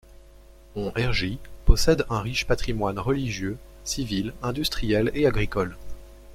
Hon-Hergies possède un riche patrimoine religieux, civil, industriel et agricole.